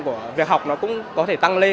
cá biệt có những bạn tham gia